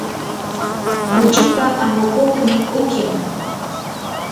kuchipa amukuqnin uqim.